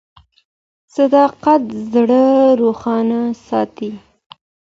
صداقت زړه روښانه ساتي.